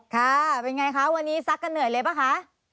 ค่ะเป็นไงคะวันนี้ซักกันเหนื่อยเลยป่ะคะ